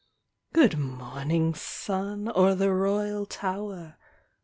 Good morning, sun, o'er the royal tower!